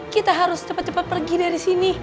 kita harus cepat cepat pergi dari sini